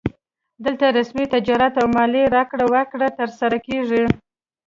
دلته رسمي تجارت او مالي راکړه ورکړه ترسره کیږي